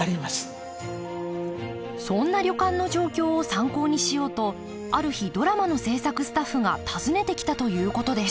そんな旅館の状況を参考にしようとある日ドラマの制作スタッフが訪ねてきたということです